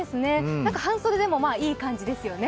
半袖でもいい感じですよね。